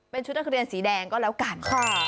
เป็นชุดนักเรียนสีแดงก็แล้วกัน